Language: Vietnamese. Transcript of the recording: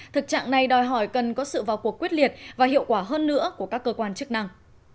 thực trạng này đòi hỏi cần có sự vào cuộc quyết liệt và hiệu quả hơn nữa của các cơ quan chức năng